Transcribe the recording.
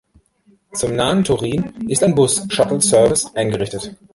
Zum nahen Turin ist ein Bus-Shuttleservice eingerichtet.